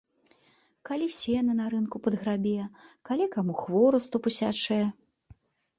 Калі сена на рынку падграбе, калі каму хворасту пасячэ.